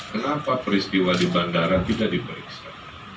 kenapa peristiwa di bandara kita diperiksa